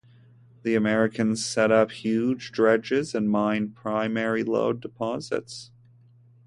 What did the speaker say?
The Americans set up huge dredges and mined primary lode deposits.